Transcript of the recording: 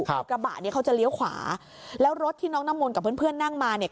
คือกระบะเนี้ยเขาจะเลี้ยวขวาแล้วรถที่น้องน้ำมนต์กับเพื่อนเพื่อนนั่งมาเนี่ย